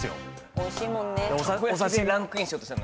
おいしいもんね。